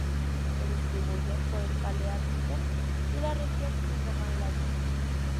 Se distribuyen por el paleártico y la región indomalaya.